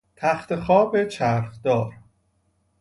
تختخواب چرخدار